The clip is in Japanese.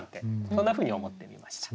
そんなふうに思ってみました。